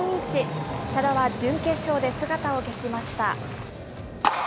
多田は準決勝で姿を消しました。